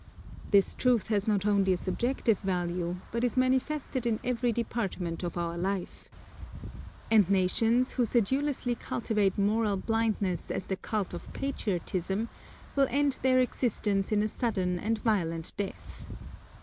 This truth has not only a subjective value, but is manifested in every department of our life. And nations, who sedulously cultivate moral blindness as the cult of patriotism, will end their existence in a sudden and violent death.